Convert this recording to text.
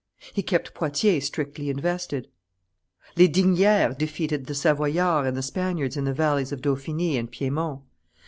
He kept Poitiers strictly invested. Lesdiguieres defeated the Savoyards and the Spaniards in the valleys of Dauphiny and Piedmont.